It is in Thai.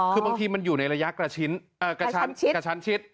คือบางทีมันอยู่ในระยะกระชั้นชิด